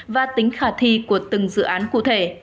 và tính khả thi của từng dự án cụ thể